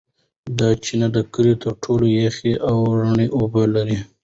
دا چینه د کلي تر ټولو یخې او رڼې اوبه لري.